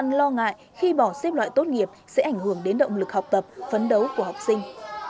nhưng lo ngại khi bỏ xếp loại tốt nghiệp sẽ ảnh hưởng đến động lực học tập phấn đấu của học sinh